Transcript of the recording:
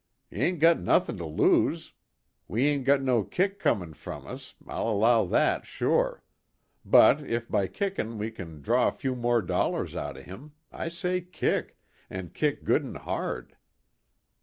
"Y'ain't got nuthin' to lose. We ain't got no kick comin' from us; I'll allow that, sure. But if by kickin' we ken drain a few more dollars out of him I say kick, an' kick good an' hard.